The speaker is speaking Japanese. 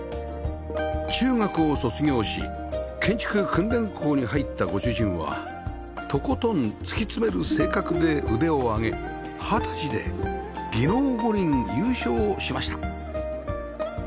中学を卒業し建築訓練校に入ったご主人はとことん突き詰める性格で腕を上げ二十歳で技能五輪優勝しました